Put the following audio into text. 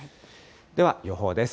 では、予報です。